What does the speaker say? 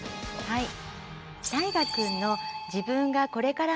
はい。